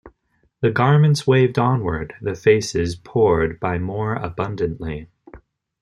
The garments waved onward, the faces poured by more abundantly.